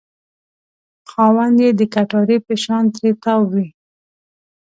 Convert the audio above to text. خاوند یې د کټارې په شان ترې تاو وي.